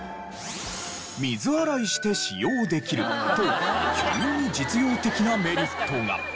水洗いして使用できると急に実用的なメリットが。